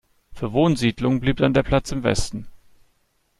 Für Wohnsiedlungen blieb dann der Platz im Westen.